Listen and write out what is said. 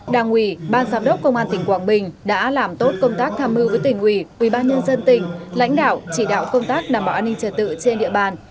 đảng ủy ban giám đốc công an tỉnh quảng bình đã làm tốt công tác tham mưu với tỉnh ủy ubnd tỉnh lãnh đạo chỉ đạo công tác đảm bảo an ninh trật tự trên địa bàn